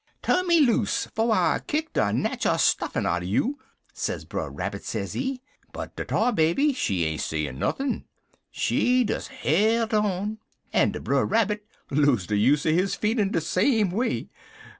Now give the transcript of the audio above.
"'Tu'n me loose, fo' I kick de natchul stuffin' outen you,' sez Brer Rabbit, sezee, but de Tar Baby, she ain't sayin' nuthin'. She des hilt on, en de Brer Rabbit lose de use er his feet in de same way.